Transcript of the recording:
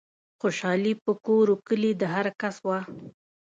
خوشحالي په کور و کلي د هرکس وه